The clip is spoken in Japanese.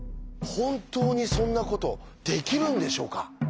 本当にそんなことできるんでしょうか？